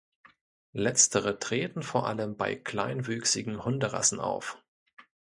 Letztere treten vor allem bei kleinwüchsigen Hunderassen auf.